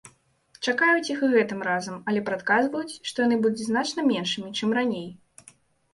Чакаюць іх і гэтым разам, але прадказваюць, што яны будуць значна меншымі, чым раней.